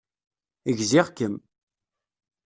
Gziɣ-kem.